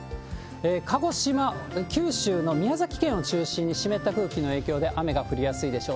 鹿児島、九州の宮崎県を中心に湿った空気の影響で雨が降りやすいでしょう。